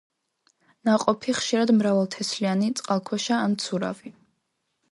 ნაყოფი ხშირად მრავალთესლიანი, წყალქვეშა ან მცურავი.